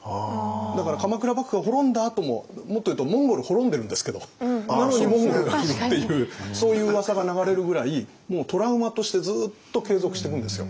だから鎌倉幕府が滅んだあとももっと言うとモンゴル滅んでるんですけどなのにモンゴルが来るっていうそういううわさが流れるぐらいもうトラウマとしてずっと継続してくんですよ。